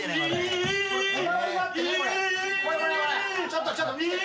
ちょっとちょっと見て。